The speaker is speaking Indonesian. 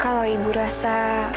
kalau ibu rasa